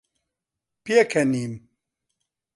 پێکەنیم.